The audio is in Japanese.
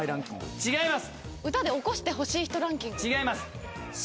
違います。